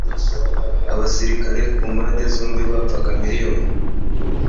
Abasirikare kumpande zombi bapfaga miriyoni